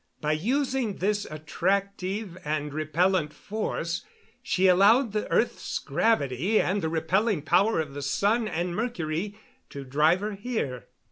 By using this attractive and repellent force she allowed the earth's gravity and the repelling power of the sun and Mercury to drive her here."